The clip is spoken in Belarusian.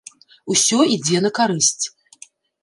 Усё ідзе на карысць.